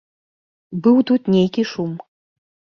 Быў тут нейкі шум.